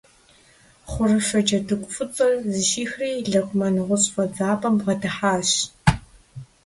Хъурыфэ джэдыгу фӀыцӀэр зыщихри Лэкъумэн гъущӀ фӀэдзапӀэм бгъэдыхьащ.